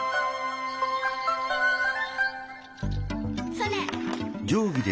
それ！